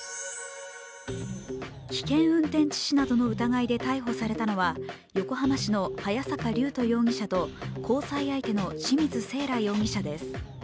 危険運転致死などの疑いで逮捕されたのは横浜市の早坂龍斗容疑者と交際相手の清水せいら容疑者です。